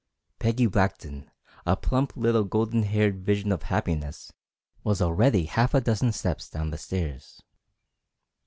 Peggy Blackton, a plump little golden haired vision of happiness, was already half a dozen steps down the stairs.